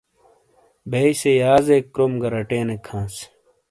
بیئسے یازیک کروم گا رٹینیک ہانس۔